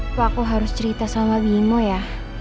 aku harus cerita sama bimo ya